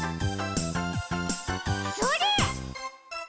それ！